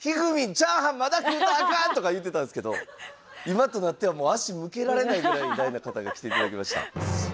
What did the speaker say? チャーハンまだ食うたらあかん！」とか言うてたんですけど今となってはもう足向けられないぐらい偉大な方が来ていただきました。